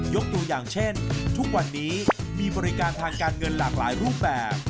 ยกตัวอย่างเช่นทุกวันนี้มีบริการทางการเงินหลากหลายรูปแบบ